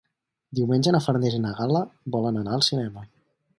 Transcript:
Diumenge na Farners i na Gal·la volen anar al cinema.